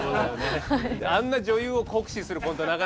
あんな女優を酷使するコント